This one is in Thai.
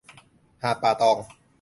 หาดป่าตอง